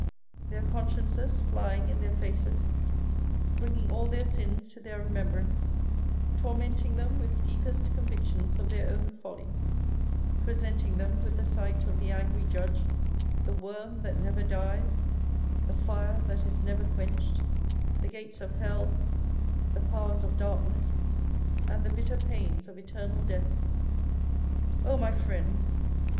Their consciences flying in their faces, bringing all their sins to their remembrance, torment ing them with deepest convictions of their own folly, presenting them with the sight of the angry Judge, the worm that never dies, the fire that is never quench ed, the gates of hell, the powers of darkness, and the bitter pains of eternal death. " Oh, my friends